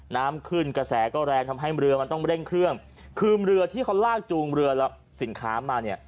น้ำขึ้นกระแสก็แรงทำให้เรือมันต้องเร่งเครื่องคือเรือที่เขาลากจูงเรือและสินค้ามาเนี่ย